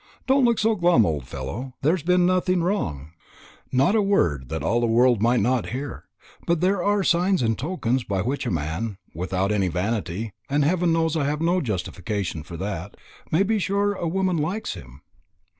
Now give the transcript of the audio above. Don't look so glum, old fellow; there has been nothing wrong, not a word that all the world might not hear; but there are signs and tokens by which a man, without any vanity and heaven knows I have no justification for that may be sure a woman likes him.